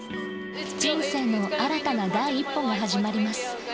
人生の新たな第一歩が始まります。